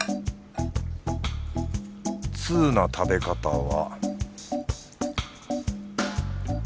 通な食べ方は